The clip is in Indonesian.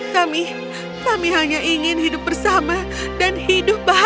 kami kami hanya ingin hidup bersama dan hidup bahagia